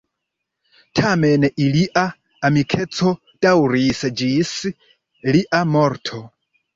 Tamen ilia amikeco daŭris ĝis lia morto.